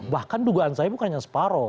bahkan dugaan saya bukan hanya separoh